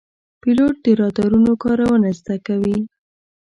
پیلوټ د رادارونو کارونه زده کوي.